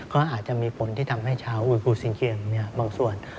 ก็อาจจะมีผลที่ทำให้ชาวอุยภูสิงเกียงบางส่วน